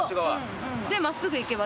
真っすぐ行けば。